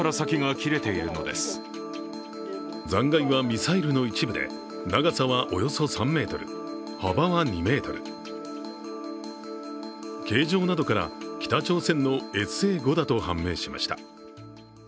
残骸はミサイルの一部で長さはおよそ３ｍ、幅は２ｍ形状などから北朝鮮のＳＡ５だと判明しました。